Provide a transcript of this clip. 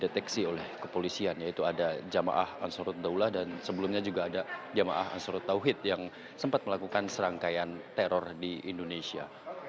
deteksi oleh kepolisian yaitu ada jamaah ansarut daulah dan sebelumnya juga ada jamaah ansarut tauhid yang sempat melakukan serangkaian teror di indonesia